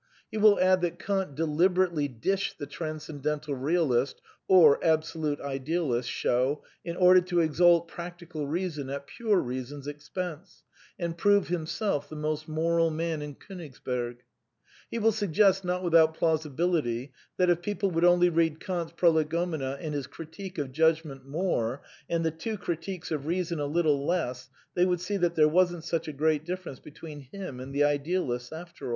He will add that Kant de liberately dished the Transcendental Bealist (or Absolute Idealist) show in order to exalt Practical Beason at Pure Eeason's expense, and prove himself the most moral man in Konigsberg. He wiU suggest, not without plausi bility, that if people would only read Kant's Prolegomena and his Critique of Judgment more, and the two Critiques of Reason a little less, they would see that there wasn't such a great difference between him and the Idealists after aU.